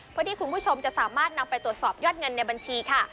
เพื่อที่คุณผู้ชมจะสามารถนำไปตรวจสอบยอดเงินในบัญชีค่ะ